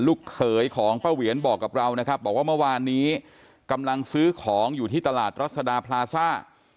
เขยของป้าเหวียนบอกกับเรานะครับบอกว่าเมื่อวานนี้กำลังซื้อของอยู่ที่ตลาดรัศดาพลาซ่า